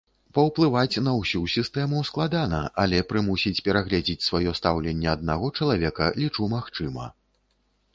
Паўплываць на ўсю сістэму складана, але прымусіць перагледзець сваё стаўленне аднаго чалавека, лічу, магчыма.